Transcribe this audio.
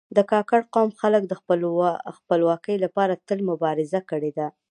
د کاکړ قوم خلک د خپلواکي لپاره تل مبارزه کړې ده.